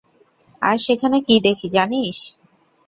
আর সেখানে কী দেখি, জানিস?